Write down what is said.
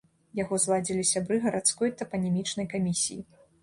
Яго зладзілі сябры гарадской тапанімічнай камісіі.